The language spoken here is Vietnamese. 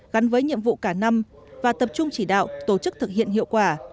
gắn với nhiệm vụ cả năm và tập trung chỉ đạo tổ chức thực hiện hiệu quả